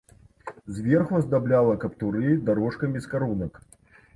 Зверху аздабляла каптуры дарожкамі з карунак.